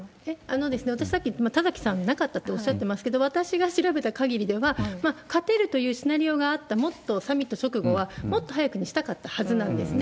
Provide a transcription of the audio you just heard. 私、さっき田崎さん、なかったっておっしゃってましたけれども、私が調べた限りでは、勝てるというシナリオがあったサミット直後は、もっと早くにしたかったはずなんですね。